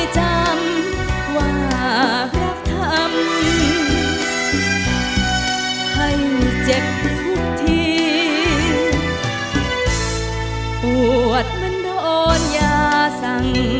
ขอบคุณค่ะ